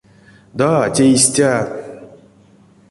Да, те истя.